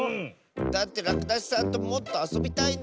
だってらくだしさんともっとあそびたいんだもん！